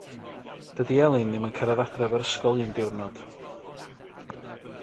Dydi Elin ddim yn cyrraedd adref o'r ysgol un diwrnod.